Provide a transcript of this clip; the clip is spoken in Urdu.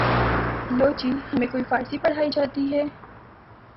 لو جی ہمیں کوئی فارسی پڑھائی جاتی ہے